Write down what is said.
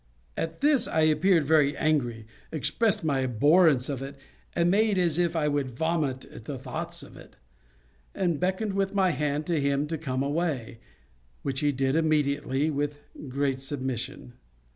At this I appeared very angry, expressed my abhorrence of it, made as if I would vomit at the thoughts of it, and beckoned with my hand to him to come away, which he did immediately, with great submission.